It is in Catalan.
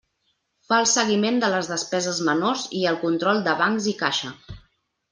Fa el seguiment de les despeses menors i el control de bancs i caixa.